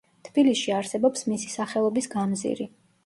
თბილისში არსებობს მისი სახელობის გამზირი.